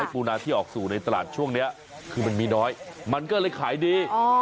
ปูนาที่ออกสู่ในตลาดช่วงนี้คือมันมีน้อยมันก็เลยขายดี